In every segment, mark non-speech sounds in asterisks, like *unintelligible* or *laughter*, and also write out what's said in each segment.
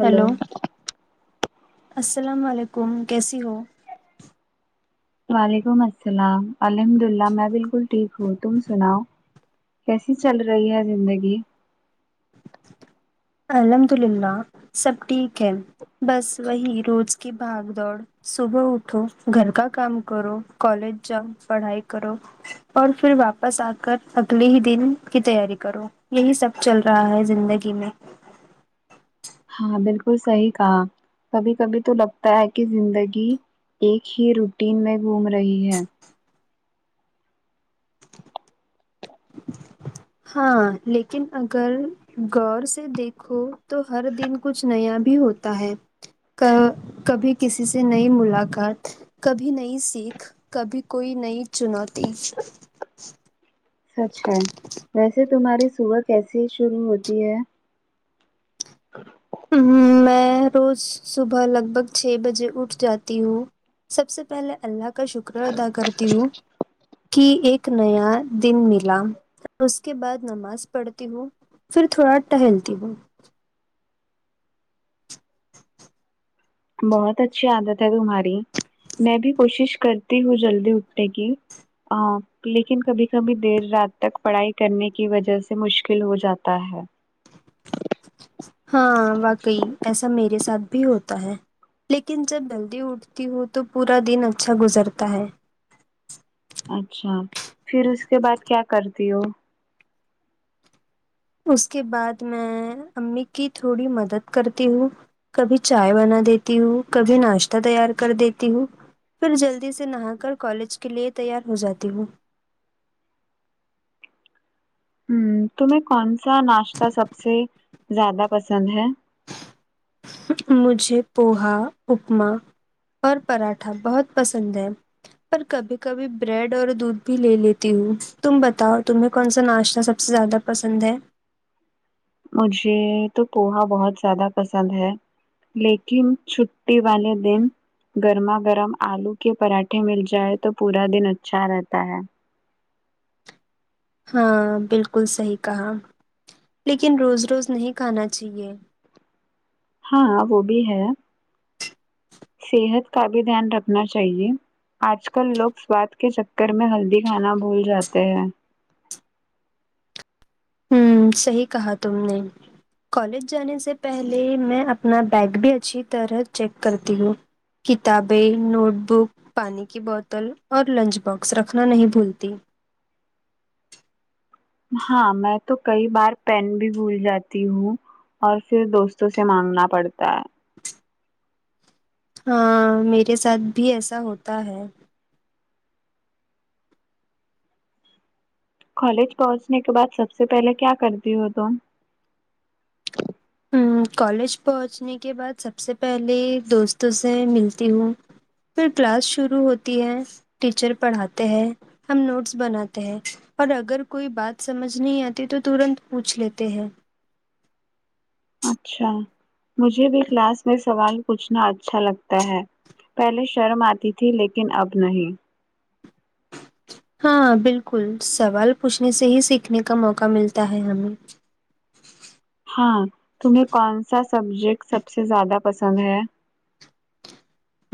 hello السلام علیکم کیسی ہو وعلیکم السلام الحمد اللہ میں بالکل ٹھیک ہوں تم سناؤ کیسی چل رہی ہے زندگی الحمد للہ سب ٹھیک ہے بس وہی روز کی بھاگ دوڑ صبح اٹھو گھر کا کام کرو کالج جاؤ پڑھائی کرو اور پھر واپس آ کر اگلے ہی دن کی تیاری کرو یہی سب چل رہا ہے زندگی میں ہاں بالکل صحیح کہا کبھی کبھی تو لگتا ہے کہ زندگی ایک ہی روٹین میں گھوم رہی ہے ہاں لیکن اگر غور سے دیکھو تو ہر دن کچھ نیا بھی ہوتا ہے کا کبھی کسی سے نئی ملاقات کبھی نئی سیکھ کبھی کوئی نئی چنوتی سچ ہے ویسے تمہاری صبح کیسی شروع ہوتی ہے ہم میں میں روز صبح لگ بھگ چھ بجے اٹھ جاتی ہوں سب سے پہلے اللہ کا کا شکر ادا کرتی ہوں کی ایک نیا دن ملا اس کے بعد نماز پڑھتی ہوں پھر تھوڑا ٹہلتی ہوں بہت اچھی عادت ہے تمہاری میں بھی کوشش کرتی ہوں جلدی اٹھنے کی لیکن کبھی کبھی دیر رات تک پڑھائی کرنے کی وجہ سے مشکل ہو جاتا ہے ہاں واقعی ایسا میرے ساتھ بھی ہوتا ہے لیکن جب جلدی اٹھتی ہو تو پورا دن اچھا گزرتا ہے اچھا پھر اس کے بعد کیا کرتی ہو اس کے بعد میں امی کی تھوڑی مدد کرتی ہوں کبھی چائے بنا دیتی ہوں کبھی ناشتہ تیار کر دیتی ہوں پھر جلدی سے نہا کر کالج کے لیے تیار ہو جاتی ہوں ہ تمہیں کون سا ناشتہ سب سے زیادہ پسند ہے مجھے پوہا اپما اور پراٹھا بہت پسند ہے پر کبھی کبھی بریڈ اور دودھ بھی لے لیتی ہوں تم بتاؤ تمہیں کون سا ناشتہ سب سے زیادہ پسند ہے مجھے تو پوہا بہت زیادہ پسند ہے لیکن چھٹی والے دن گرما گرم آلو کے پراٹھے مل جائے تو پورا دن اچھا رہتا ہے ہاں بالکل صحیح کہا لیکن روز روز نہیں کھانا چاہیے ہاں وہ بھی ہے صحت کا بھی دھیان رکھنا چاہیے آج کل لوگ سواد کے چکر میں ہلدی کھانا بھول جاتے ہیں ہوں صحیح کہا تم نے کالج جانے سے پہلے میں اپنا بیگ بھی اچھی طرح چیک کرتی ہوں کتابیں نوٹ بک پانی کی بوتل اور لنچ باکس رکھنا نہیں بھولتی ہاں میں تو کئی بار پین بھی بھول جاتی ہوں اور پھر دوستوں سے مانگنا پڑتا ہے ہاں میرے ساتھ بھی ایسا ہوتا ہے کالج پہنچنے کے بعد سب سے پہلے کیا کرتی ہو تم ہم، کالج پہنچنے کے بعد سب سے پہلے دوستوں سے ملتی ہوں پھر کلاس شروع ہوتی ہے ٹیچر پڑھاتے ہیں ہم نوٹس بناتے ہیں اور اگر کوئی بات سمجھ نہیں آتی تو ترنت پوچھ لیتے ہیں اچھا مجھے بھی کلاس میں سوال پوچھنا اچھا لگتا ہے پہلے شرم آتی تھی لیکن اب نہیں ہاں بالکل سوال پوچھنے سے ہی سیکھنے کا موقع ملتا ہے ہمیں ہاں تمہیں کون سا سبجیکٹ سب سے زیادہ پسند ہے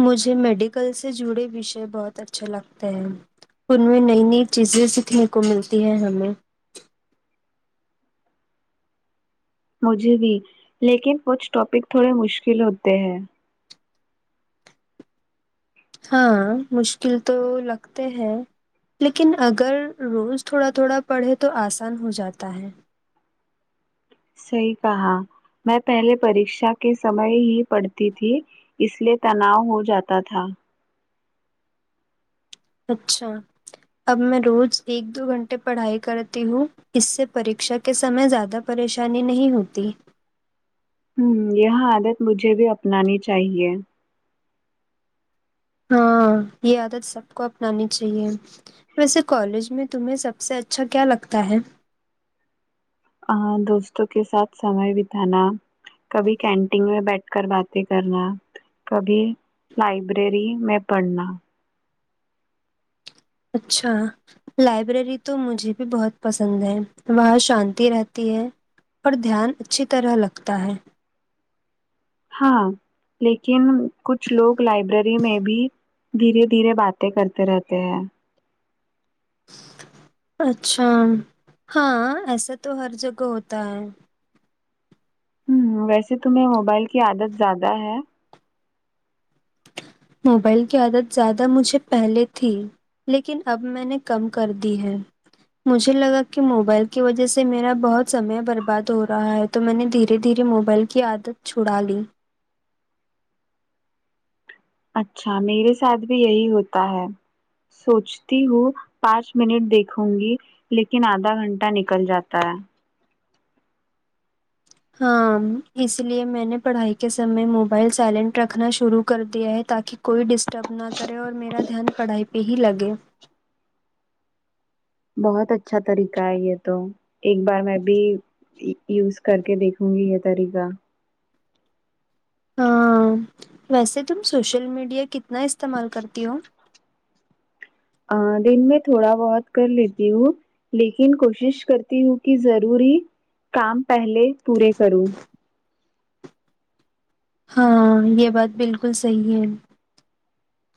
مجھے میڈیکل سے جڑے وشے بہت اچھے لگتے ہیں ان میں نئی نئی چیزیں سیکھنے کو ملتی ہیں ہمیں مجھے بھی لیکن کچھ ٹاپک تھوڑے مشکل ہوتے ہیں ہاں مشکل تو لگتے ہیں لیکن اگر روز تھوڑا تھوڑا پڑھے تو آسان ہو جاتا ہے صحیح کہا میں پہلے پرکشا کے سمے ہی پڑھتی تھی اس لیے تناؤ ہو جاتا تھا اچھا اب میں روز ایک دو گھنٹے پڑھائی کرتی ہوں اس سے پرکشا کے سمے زیادہ پریشانی نہیں ہوتی ہوں یہ عادت مجھے بھی اپنانی چاہیے ہاں یہ عادت سب کو اپنانی چاہیے ویسے کالج میں تمہیں سب سے اچھا کیا لگتا ہے ہاں دوستوں کے ساتھ سمے بتانا کبھی کینٹین میں بیٹھ کر باتیں کرنا کبھی لائبریری میں پڑھنا اچھا لائبریری تو مجھے بھی بہت پسند ہے وہاں شانتی رہتی ہے پر دھیان اچھی طرح لگتا ہے ہاں لیکن کچھ لوگ لائبریری میں بھی دھیرے دھیرے باتیں کرتے رہتے ہیں اچھا ہاں ایسا تو ہر جگہ ہوتا ہے ویسے تمہیں موبائل کی عادت زیادہ ہے موبائل کی عادت زیادہ مجھے پہلے تھی لیکن اب میں نے کم کر دی ہے مجھے لگا کہ موبائل کی وجہ سے میرا بہت سمے برباد ہو رہا تو میں نے دھیرے دھیرے موبائل کی عادت چھڑا لی اچھا میرے ساتھ بھی یہی ہوتا ہے سوچتی ہوں پانچ منٹ دیکھوں گی لیکن آدھا گھنٹہ نکل جاتا ہے ہاں اس لیے میں نے پڑھائی کے سمے موبائل سائلنٹ رکھنا شروع کر دیا ہے تاکہ کوئی ڈسٹرب نہ کرے اور میرا دھیان پڑھائی پہ ہی لگے بہت اچھا طریقہ ہے یہ تو ایک بار میں بھی یوز کر کے دیکھوں گی یہ طریقہ ہاں ویسے تم سوشل میڈیا کتنا استعمال کرتی ہو ا دن میں تھوڑا بہت کر لیتی ہوں لیکن کوشش کرتی ہوں کہ ضروری کام پہلے پورے کروں ہاں یہ بات بالکل صحیح ہے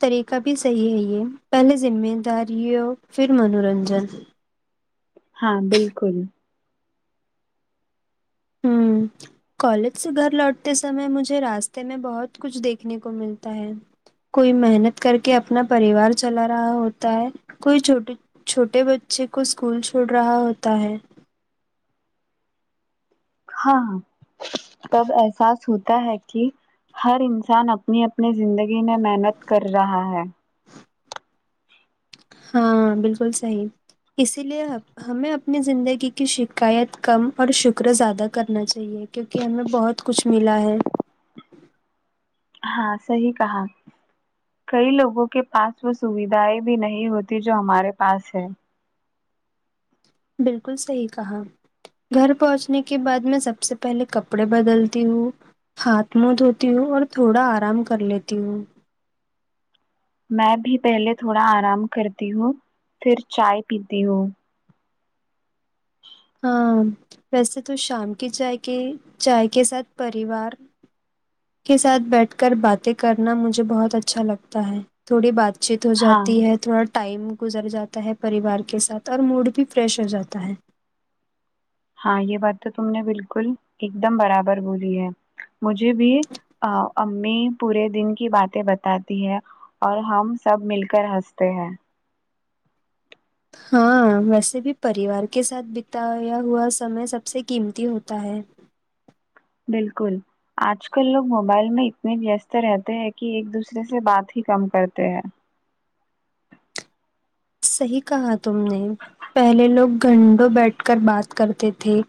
طریقہ بھی صحیح ہے یہ پہلے ذمہ داری ہو پھر منورنجن ہاں بالکل ہوں کالج سے گھر لوٹتے سمے مجھے راستے میں بہت کچھ دیکھنے کو ملتا ہے کوئی محنت کر کے اپنا پریوار چلا رہا ہوتا ہے کوئی چھوٹیے چھوٹے بچے کو اسکول چھوڑ رہا ہوتا ہے ہاں تب احساس ہوتا ہے کہ ہر انسان اپنی اپنی زندگی میں محنت کر رہا ہے ہاں بالکل صحیح اسی لیے آپ ہمیں اپنی زندگی کی شکایت کم اور شکر زیادہ کرنا چاہیے کیونکہ ہمیں بہت کچھ ملا ہے ہاں صحیح کہا کئی لوگوں کے پاس وہ سودھائیں بھی نہیں ہوتی جو ہمارے پاس ہے بالکل صحیح کہا گھر پہنچنے کے بعد میں سب سے پہلے کپڑے بدلتی ہوں ہاتھ منہ دھوتی ہوں اور تھوڑا آرام کر لیتی ہوں میں بھی پہلے تھوڑا آرام کرتی ہوں پھر چائے پیتی ہوں ہاں ویسے تو شام کی چائے کے چائے کے ساتھ پریوار کے ساتھ بیٹھ کر باتیں کرنا مجھے بہت اچھا لگتا ہے تھوڑی بات چیت ہو ہاں جاتی ہے تھوڑا ٹائم گزر جاتا ہے پریوار کے ساتھ اور موڑ بھی فریش ہو جاتا ہے ہاں یہ بات تو تم نے بالکل ایک دم برابر بولی ہے مجھے بھی امی پورے دن کی باتیں بتاتی ہے اور ہم سب مل کر ہنستے ہیں ہاں ویسے بھی پریوار کے ساتھ بتایا ہوا سمے سب سے قیمتی ہوتا ہے بالکل آج کل لوگ موبائل میں اتنے ویسٹ رہتے ہیں کہ ایک دوسرے سے بات ہی کم کرتے ہیں صحیح کہا تم نے پہلے لوگ گھنٹوں بیٹھ کر بات کرتے تھے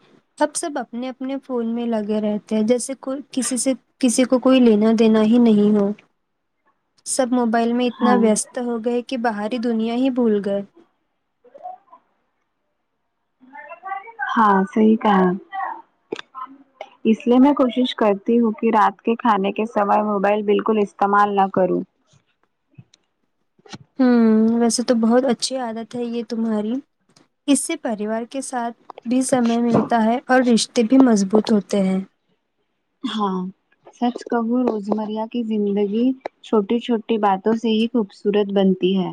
اب سب اپنے اپنے فون میں لگے رہتے ہیں جیسے کوئی کسی سے کسی کو کوئی لینا دینا ہی نہیں ہو سب موبائل میں اتنا ہاں ویست ہو گئے کہ باہری دنیا ہی بھول گئے ہاں صحیح کہا اس لیے میں کوشش کرتی ہوں کہ رات کے کھانے کے سمے موبائل بالکل استعمال نہ کروں ہوں ویسے تو بہت اچھی عادت ہے یہ تمہاری اس سے پریوار کے ساتھ بھی سمے ملتا ہے اور رشتے بھی مضبوط ہوتے ہیں ہاں سچ کہو روزمرہ کی زندگی چھوٹی چھوٹی باتوں سے ہی خوبصورت بنتی ہے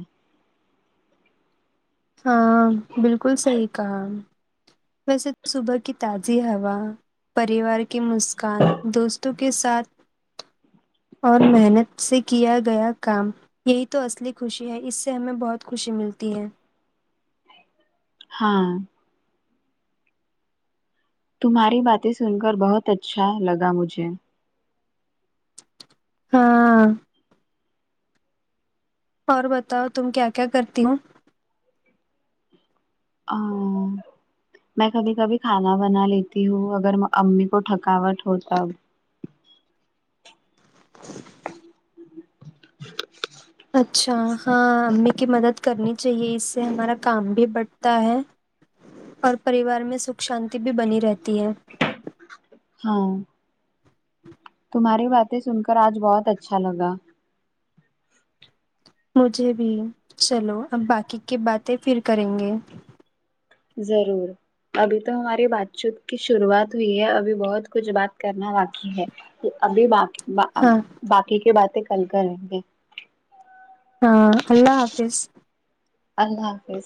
ہاں بالکل صحیح کہا ویسے صبح کی تازی ہوا پریوار کی مسکان دوستوں کے ساتھ اور محنت سے کیا گیا کام یہی تو اصلی خوشی ہے اس سے ہمیں بہت خوشی ملتی ہے ہاں تمہاری باتیں سن کر بہت اچھا لگا مجھے ہاں اور بتاؤ تم کیا کیا کرتی ہووں *unintelligible* میں کبھی کبھی کھانا بنا لیتی ہوں اگر امی کو تھکاوٹ ہوتب اچھا ہاں امی کی مدد کرنی چاہے اس سے ہمارا کام بھی بٹتا ہے اور پریوار میں س شانتی بھی بنی رہتی ہے ہاں تمہاری باتیں سن کر آج بہت اچھا لگا مجھے بھی چلو اب باقی کی باتیں پھر کریں گے ضرور ابھی تو ہماری بات چیت کی شروعات ہوئی ہے ابھی بہت کچھ بات کرنا باقی ہے ابھی باقی ہاں باقی کی باتیں کل کریں گے ہاں اللہ حافظ اللہ حافظ